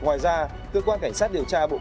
ngoài ra cơ quan cảnh sát điều tra bộ công an